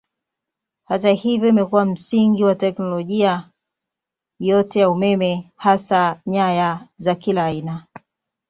Hivyo imekuwa msingi wa teknolojia yote ya umeme hasa nyaya za kila aina.